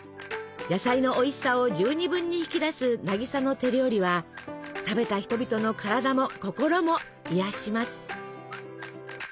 野菜のおいしさを十二分に引き出す渚の手料理は食べた人々の体も心も癒やします。